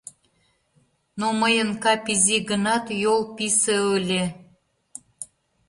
Но мыйын кап изи гынат, йол писе ыле.